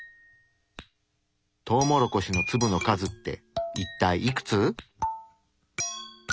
トウモロコシの粒の数っていったいいくつ？